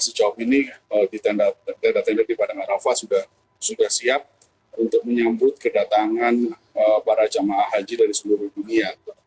sejauh ini tenda tenda di padang arafah sudah siap untuk menyambut kedatangan para jemaah haji dari seluruh dunia